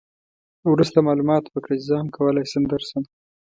وروسته معلومات وکړه چې زه هم کولای شم درشم.